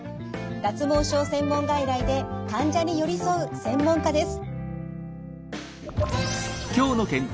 脱毛症専門外来で患者に寄り添う専門家です。